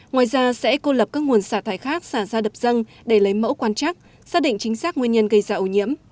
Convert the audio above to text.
ngoài ra sẽ cô lập các nguồn xả thải khác xả ra đập dân để lấy mẫu quan trắc xác định chính xác nguyên nhân gây ra ổ nhiễm